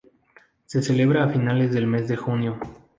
Se celebra a finales del mes de junio.